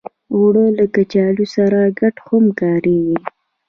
اوړه له کچالو سره ګډ هم کارېږي